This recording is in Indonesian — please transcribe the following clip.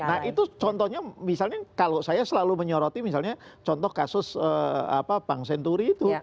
nah itu contohnya misalnya kalau saya selalu menyoroti misalnya contoh kasus bank senturi itu